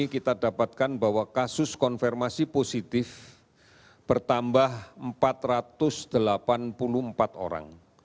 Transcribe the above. kita dapatkan bahwa kasus konfirmasi positif bertambah empat ratus delapan puluh empat orang